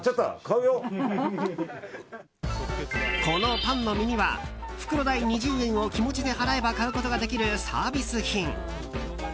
このパンの耳は袋代２０円を気持ちで払えば買うことができるサービス品。